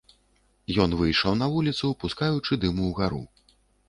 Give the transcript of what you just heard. Ён выйшаў на вуліцу, пускаючы дым угару.